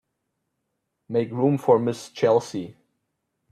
Make room for Mrs. Chelsea.